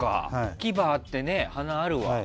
牙があって、鼻があるわ。